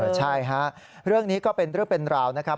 ใช่ฮะเรื่องนี้ก็เป็นเรื่องเป็นราวนะครับ